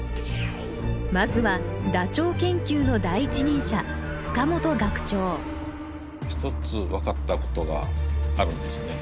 まずはダチョウ研究の第一人者塚本学長一つ分かったことがあるんですね。